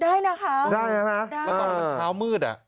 ได้นะครับไปครับนะครับได้กับตอนขาวมืด